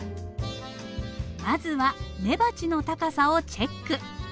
まずは根鉢の高さをチェック。